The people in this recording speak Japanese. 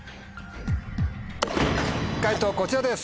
解答こちらです。